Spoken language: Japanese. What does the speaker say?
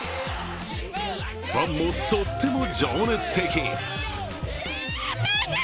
ファンもとっても情熱的！